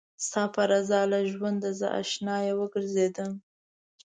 ستا په رضا له ژونده زه اشنايه وګرځېدم